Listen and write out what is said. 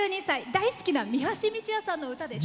大好きな三橋美智也さんの歌です。